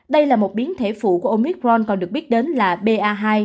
đây là một biến thể phụ của omicron còn được biết đến là ba